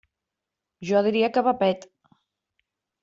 Jo diria que va pet.